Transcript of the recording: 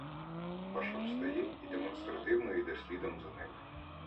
Паша встає і демонстративно іде слідом за ними.